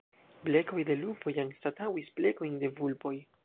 Blekoj de lupoj anstataŭis blekojn de vulpoj.